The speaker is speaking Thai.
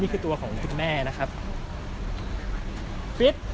นี่คือตัวของคุณพอกแก้วที่มาตามหาลูกนะครับ